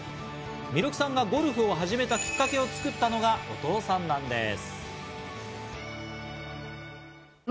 弥勒さんがゴルフを始めたきっかけを作ったのがお父さんなんです。